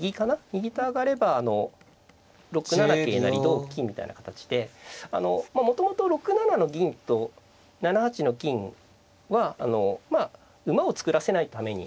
右と上がれば６七桂成同金みたいな形でもともと６七の銀と７八の金は馬を作らせないために。